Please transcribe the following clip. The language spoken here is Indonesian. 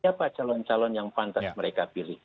siapa calon calon yang pantas mereka pilih